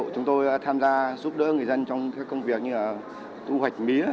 chúng tôi tham gia giúp đỡ người dân trong các công việc như là tu hoạch mía